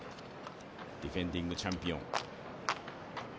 ディフェンディングチャンピオン。